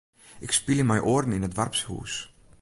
Ik spylje mei oaren yn it doarpshûs.